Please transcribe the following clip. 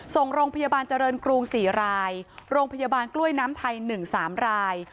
ส่งโรงพยาบาลเจริญกรุง๔รายโรงพยาบาลกล้วยน้ำไทย๑๓ราย